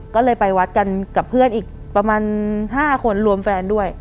ก็เลยไปวัดกันกับเพื่อนอีกประมาณ๕คนรวมแฟนด้วย